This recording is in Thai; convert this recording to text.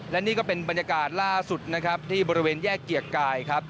และนี่ก็เป็นบรรยากาศล่าสุดนะครับที่บริเวณแยกเกียรติกายครับ